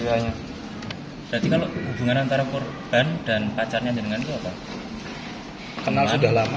berarti kalau hubungan antara korban dan pacarnya dengan itu apa kenal sudah lama